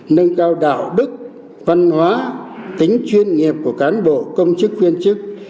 nâng cao đạo đức văn hóa tính chuyên nghiệp của cán bộ công chức viên chức